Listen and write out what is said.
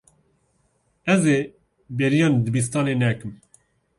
Ez ê bêriya dibistanê nekim.